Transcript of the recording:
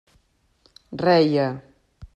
Reia.